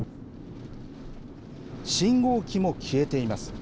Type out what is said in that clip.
信号機も消えています。